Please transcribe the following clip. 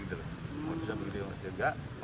kalau bisa begitu jelak